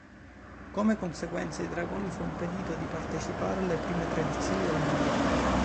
Come conseguenza, ai "Dragoni" fu impedito di partecipare alle prime tre edizioni del mondiale.